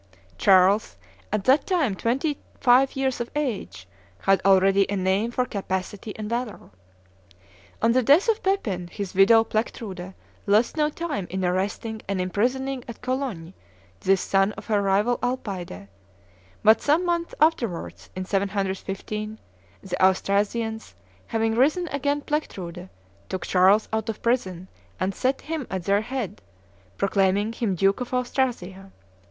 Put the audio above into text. Charles, at that time twenty five years of age, had already a name for capacity and valor. On the death of Pepin, his widow Plectrude lost no time in arresting and imprisoning at Cologne this son of her rival Alpaide; but, some months afterwards, in 715, the Austrasians, having risen against Plectrude, took Charles out of prison and set him at their head, proclaiming him Duke of Austrasia.